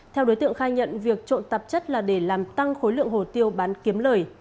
theo đối tượng khai nhận việc trộm tạp chất là để làm tăng khối lượng hồ tiêu bán kiếm lời